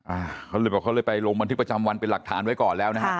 อ่าเขาเลยบอกเขาเลยไปลงบันทึกประจำวันเป็นหลักฐานไว้ก่อนแล้วนะฮะ